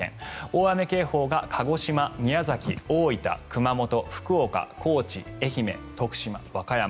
大雨警報が鹿児島、宮崎、大分、熊本福岡、高知、愛媛、徳島和歌山。